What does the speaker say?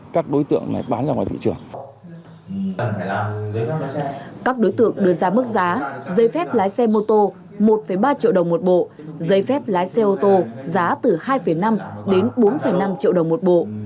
các đối tượng đưa ra mức giá giấy phép lái xe mô tô một ba triệu đồng một bộ giấy phép lái xe ô tô giá từ hai năm đến bốn năm triệu đồng một bộ